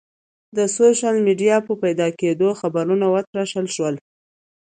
د سوشل میډیا په پیدا کېدو خبرونه وتراشل شول.